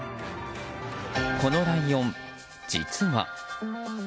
このライオン、実は。